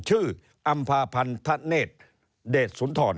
ชื่ออัมภาพัณธะเน็ดเดสสุนทร